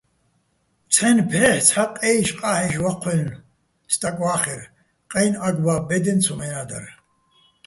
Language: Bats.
ცჰ̦აჲნი̆ ფჰ̦ეჰ̦ ცჰ̦ა ყე́იშ-ყა́ჰ̦ეშ ვაჴვაჲლნო̆ სტაკ ვა́ხერ, ყეჲნი̆ ა́გ-ბა́ბო̆ ბე́დეჼ ცომენა́ დარ.